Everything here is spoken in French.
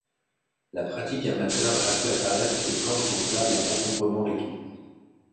La pratique amateur a vu apparaître des planches gonflables à encombrement réduit.